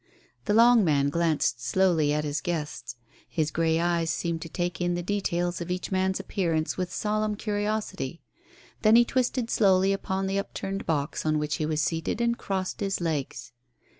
The long man glanced slowly at his guests. His great eyes seemed to take in the details of each man's appearance with solemn curiosity. Then he twisted slowly upon the upturned box on which he was seated and crossed his legs.